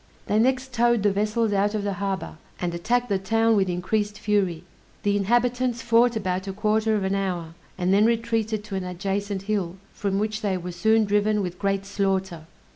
They next towed the vessels out of the harbor, and attacked the town with increased fury. The inhabitants fought about a quarter of an hour, and then retreated to an adjacent hill, from which they were soon driven with great slaughter.